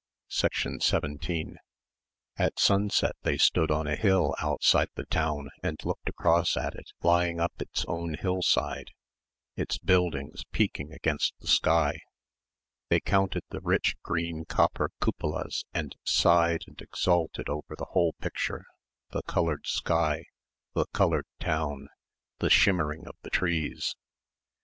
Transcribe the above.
17 At sunset they stood on a hill outside the town and looked across at it lying up its own hillside, its buildings peaking against the sky. They counted the rich green copper cupolas and sighed and exulted over the whole picture, the coloured sky, the coloured town, the shimmering of the trees.